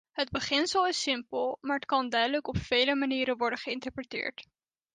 Het beginsel is simpel, maar het kan duidelijk op vele manieren worden geïnterpreteerd.